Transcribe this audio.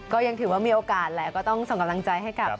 ก็ยังถือว่ามีโอกาสแหละก็ต้องส่งกำลังใจให้กับ